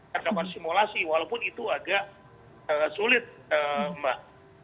dan melakukan simulasi walaupun itu agak sulit mbak